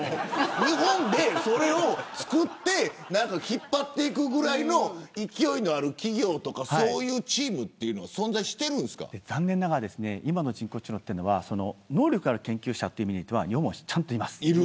日本でそれを作って引っ張っていくぐらいの勢いのある企業とかそういうチームは残念ながら今の人工知能は能力のある研究者という意味では日本にもちゃんといます。